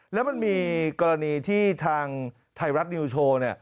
แล้วมันมีกรณีที่ทางไทยรัฐนิวโชว์